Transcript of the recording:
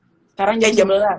sekarang jam dua belas